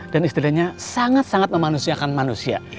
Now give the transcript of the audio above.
dan istilahnya sangat sangat memanusiakan manusia